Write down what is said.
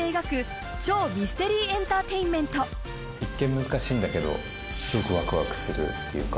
一見難しいんだけどすごくワクワクするっていうか。